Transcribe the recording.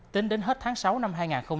tính đến hết tháng sáu năm hai nghìn hai mươi